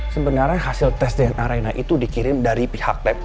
sebenarnya hasil tes dna arena itu dikirim dari pihak lab